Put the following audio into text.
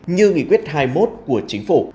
như nghị quyết hai mươi một của chính phủ